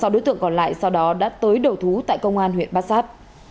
sáu đối tượng còn lại sau đó đã tới đầu thú tại công an huyện bát sát